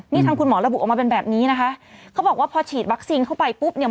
นี่ทางคุณหมอระบุออกมาเป็นแบบนี้นะคะเขาบอกว่าพอฉีดวัคซีนเข้าไปปุ๊บเนี่ย